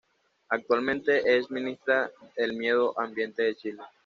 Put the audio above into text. Actualmente es ministra del Medio Ambiente de Chile.